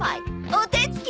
お手つき！